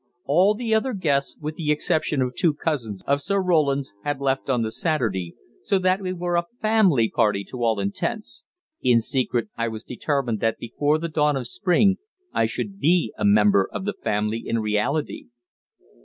All the other guests, with the exception of two cousins of Sir Roland's, had left on the Saturday, so that we were a family party to all intents; in secret I was determined that before the dawn of spring I should be a member of the family in reality.